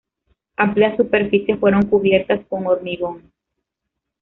Amplias superficies fueron cubiertas con hormigón.